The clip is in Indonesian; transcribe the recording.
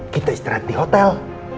kita istirahat di hotel